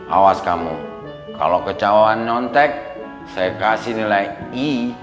awas kamu kalau kecauan nyontek saya kasih nilai i